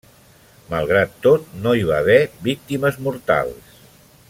Malgrat tot no hi va haver víctimes mortals.